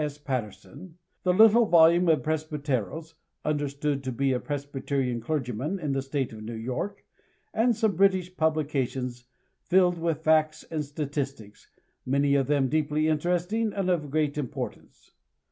S. Patterson, the little volume of " Presbuteros," (understood to be a Presbyterian clergyman in the state of New York,) and some British publications fijled with facts and statistics, many of them deeply interesting and of great importance.